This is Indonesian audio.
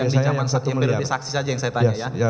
saksi saja yang saya tanya ya